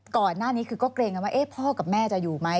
ก่อนหน้านี้คือก็เกรงกันว่าพ่อกับแม่จะอยู่ไหม